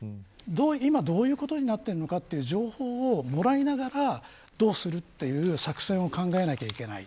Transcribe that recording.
今どういうことになっているのかという情報をもらいながらどうするという作戦を考えなければいけない。